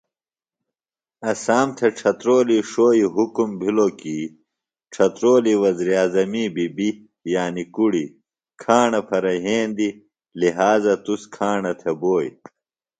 اسام تھےۡ ڇھترولی ݜوئی حُکم بھِلوۡکیۡ ڇھترولیۡ وزیراعظمی بی بی (کُڑیۡ) کھاݨہ پھرےۡ یھیندیۡ لہٰذا تُس کھاݨہ تھےۡ بوئیۡ